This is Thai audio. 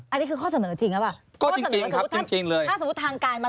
อันนี้คือข้อเสนอจริงหรือเปล่า